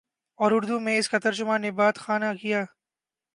اور اردو میں اس کا ترجمہ نبات خانہ کیا